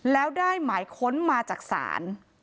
แล้วได้หมายค้นมาจากศาล